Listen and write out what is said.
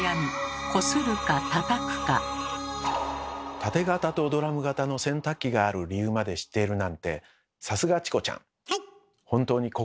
タテ型とドラム型の洗濯機がある理由まで知っているなんてさすがチコちゃん。